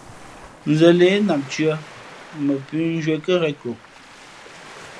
Nzα̌ lě, nam tʉ̄ᾱ, mα pʉ̌nzhwíé kάghěn ko.